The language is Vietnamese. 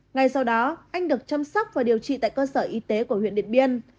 ngay sau đó anh được chăm sóc và điều trị tại cơ sở y tế của huyện điện biên